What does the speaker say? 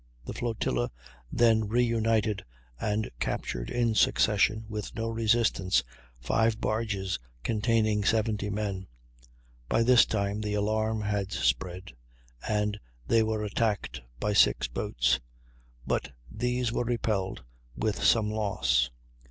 The flotilla then re united and captured in succession, with no resistance, five barges containing 70 men. By this time the alarm had spread and they were attacked by six boats, but these were repelled with some loss.